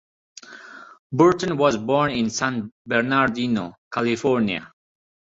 Burton was born in San Bernardino, California.